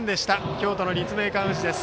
京都の立命館宇治です。